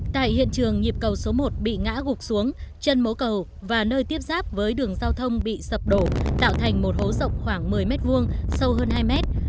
tại hiện trường nhịp cầu số một bị ngã gục xuống chân hố cầu và nơi tiếp giáp với đường giao thông bị sập đổ tạo thành một hố rộng khoảng một mươi mét vuông sâu hơn hai mét